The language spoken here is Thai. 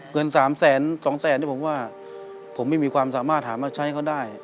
เงิน๓แสน๒แสนนี่ผมว่าผมไม่มีความสามารถหามาใช้เขาได้